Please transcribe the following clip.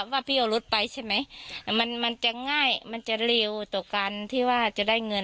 ว่าพี่เอารถไปใช่ไหมมันมันจะง่ายมันจะเร็วต่อการที่ว่าจะได้เงิน